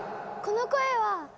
この声は。